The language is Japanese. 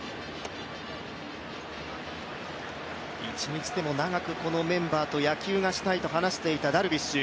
一日でも長くこのメンバーと野球がしたいと話していたダルビッシュ。